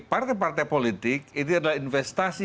partai partai politik itu adalah investasi